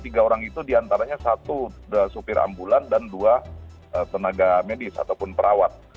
tiga orang itu diantaranya satu supir ambulan dan dua tenaga medis ataupun perawat